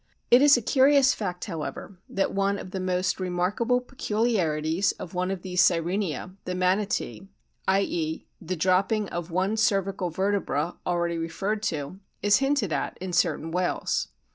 It is a curious fact, however, that one of the most remarkable peculiarities of one of these Sirenia, the Manatee, i.e., the dropping of one cervical vertebra, already referred to, is hinted at in certain whales.